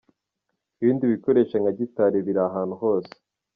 Ibindi bikoresho nka gitari biri ahantu hose.